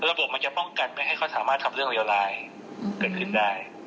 ระบบมันจะป้องกันไม่ให้เขาสามารถทำเรื่องเลวร้ายเกิดขึ้นได้